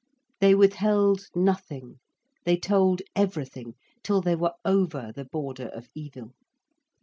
They withheld nothing, they told everything, till they were over the border of evil.